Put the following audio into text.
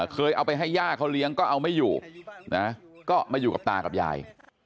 เคยเอาไปให้ย่าเขาเลี้ยงก็เอาไม่อยู่นะก็มาอยู่กับตากับยาย